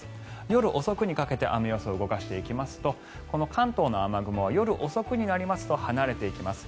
夜遅くにかけて雨予想を動かしていきますとこの関東の雨雲は夜遅くになりますと離れていきます。